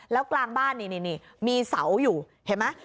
แล้วกลางบ้านนี่มีเสาอยู่เห็นไหม